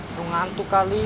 nggak ngantuk kali